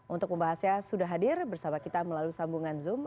untuk pembahasnya sudah hadir bersama kita melalui sambungan zoom